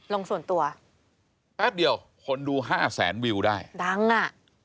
ลงส่วนตัวแป๊บเดียวคนดูห้าแสนวิวได้ดังอ่ะ